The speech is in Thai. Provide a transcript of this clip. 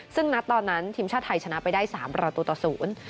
ซึ่งนัดตอนนั้นทีมชาติไทยชนะไปได้๓ราวตัวต่อ๐